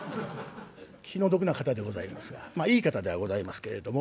気の毒な方でございますがまあいい方ではございますけれども。